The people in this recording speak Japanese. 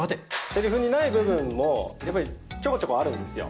せりふにない部分も、やっぱりちょこちょこあるんですよ。